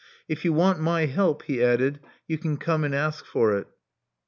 '*If you want my help, he added, you can come and ask for it.